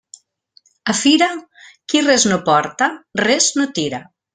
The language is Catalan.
A fira, qui res no porta, res no tira.